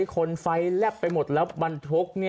คนไฟแลบไปหมดแล้วบรรทุก